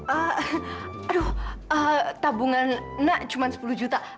aduh tabungan nak cuma sepuluh juta